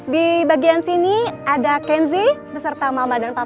di bagian sini ada kenzie beserta mama dan papanya